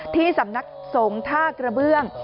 ที่สำนักสงฆ์ท่ากระเบื้อง